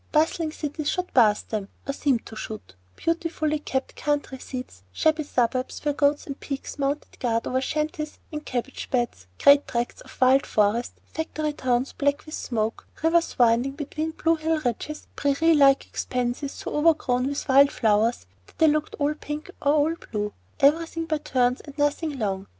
Bustling cities shot past them, or seemed to shoot, beautifully kept country seats, shabby suburbs where goats and pigs mounted guard over shanties and cabbage beds, great tracts of wild forest, factory towns black with smoke, rivers winding between blue hill ridges, prairie like expanses so overgrown with wild flowers that they looked all pink or all blue, everything by turns and nothing long.